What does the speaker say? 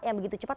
yang begitu cepat